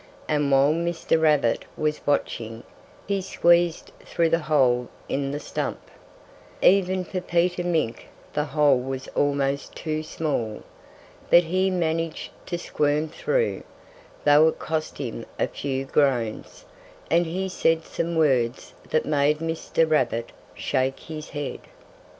And while Mr. Rabbit was watching, he squeezed through the hole in the stump. Even for Peter Mink the hole was almost too small. But he managed to squirm through, though it cost him a few groans; and he said some words that made Mr. Rabbit shake his head.